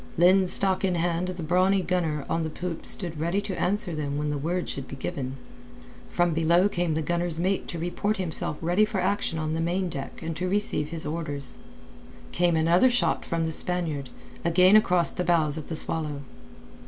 Linstock in hand the brawny gunner on the poop stood ready to answer them when the word should be given. From below came the gunner's mate to report himself ready for action on the main deck and to receive his orders. Came another shot from the Spaniard, again across the bows of the Swallow.